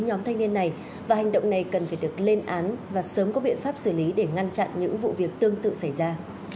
nhóm thanh niên này và hành động này cần phải được lên án và sớm có biện pháp xử lý để ngăn chặn những vụ việc tương tự xảy ra